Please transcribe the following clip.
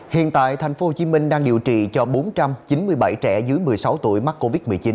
hiện tại thành phố hồ chí minh đang điều trị cho bốn trăm chín mươi bảy trẻ dưới một mươi sáu tuổi mắc covid một mươi chín